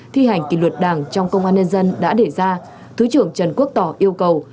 thi hành kỷ luật đảng trong công an nhân dân đã để ra thứ trưởng trần quốc tỏ yêu cầu